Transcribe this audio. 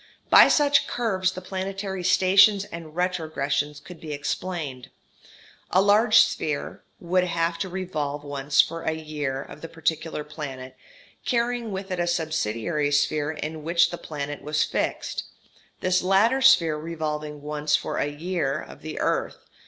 By such curves the planetary stations and retrogressions could be explained. A large sphere would have to revolve once for a "year" of the particular planet, carrying with it a subsidiary sphere in which the planet was fixed; this latter sphere revolving once for a "year" of the earth.